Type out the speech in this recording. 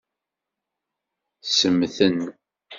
Semmten.